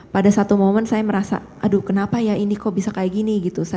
pada satu momen saya merasa aduh kenapa ya ini kok bisa kayak gini gitu